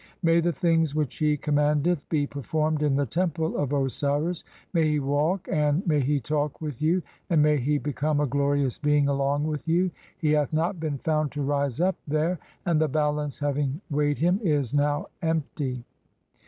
May the things which he commandeth be "performed in the Temple of Osiris ; may he walk (43) and "may he talk with you, and may he become a glorious being "along with you. He hath not been found to rise up (44) there, 1 "and the Balance [having weighed him] is now empty."